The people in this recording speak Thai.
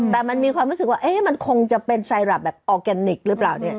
แต่มันมีความรู้สึกว่ามันคงจะเป็นไซรับแบบออร์แกนิคหรือเปล่าเนี่ย